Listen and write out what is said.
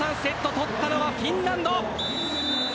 取ったのはフィンランド。